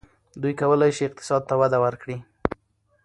دوی کولای شي اقتصاد ته وده ورکړي.